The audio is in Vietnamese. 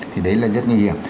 thì đấy là rất nguy hiểm